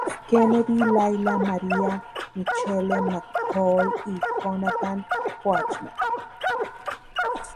Kennedy, Layla, Maria, Michelle McCool, y Jonathan Coachman.